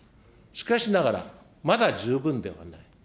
しかしながら、まだ十分ではない。